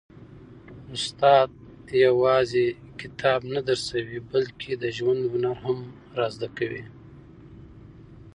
استاد یوازي کتاب نه درسوي، بلکي د ژوند هنر هم را زده کوي.